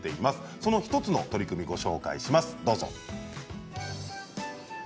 その１つの取り組みをご紹介します。